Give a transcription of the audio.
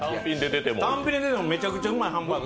単品で出てもめちゃめちゃうまいハンバーグ。